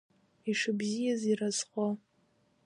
Ишыбзиаз иразҟы…